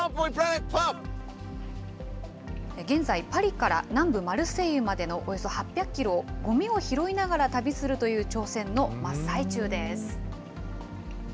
現在、パリから南部マルセイユまでのおよそ８００キロを、ごみを拾いながら旅するという挑戦の真っ最中です。